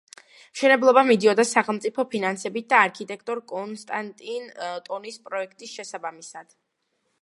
მშენებლობა მიდიოდა სახელმწიფო ფინანსებით და არქიტექტორ კონსტანტინ ტონის პროექტის შესაბამისად.